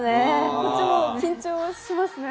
こっちも緊張しますね。